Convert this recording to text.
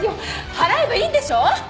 払えばいいんでしょ！？